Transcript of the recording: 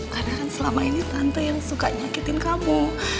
karena kan selama ini tante yang suka nyakitin kamu